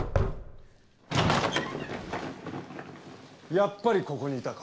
やっぱりここにいたか。